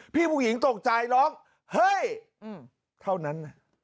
พี่ผู้หญิงตกใจร้องเฮ้ยเท่านั้น